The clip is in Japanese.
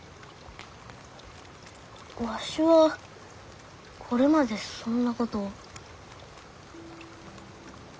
わしはこれまでそんなこと。